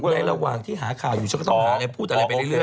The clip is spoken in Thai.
ในระหว่างที่หาข่าวอยู่ฉันก็ต้องหาอะไรพูดอะไรไปเรื่อย